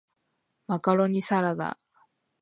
マカロニサラダ